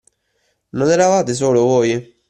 Non eravate solo, voi?